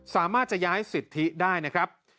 สามารถจะย้ายสิทธิได้นะครับ